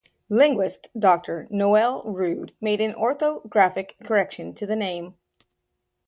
Linguist Doctor Noel Rude made an orthographic correction to the name.